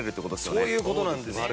そういう事なんですよ！